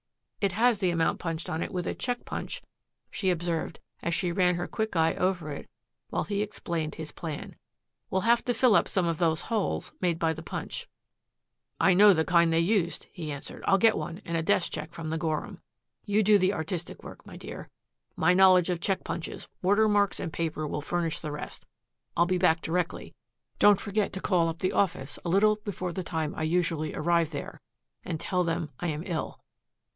"It has the amount punched on it with a check punch," she observed as she ran her quick eye over it while he explained his plan. "We'll have to fill up some of those holes made by the punch." "I know the kind they used," he answered. "I'll get one and a desk check from the Gorham. You do the artistic work, my dear. My knowledge of check punches, watermarks, and paper will furnish the rest. I'll be back directly. Don't forget to call up the office a little before the time I usually arrive there and tell them I am ill."